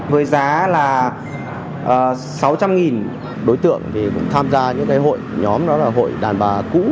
với giá là sáu trăm linh đối tượng thì cũng tham gia những cái hội nhóm đó là hội đàn bà cũ